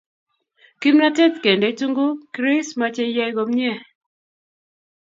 Kimnatet kendei tinguk Chris mache iyay komnye.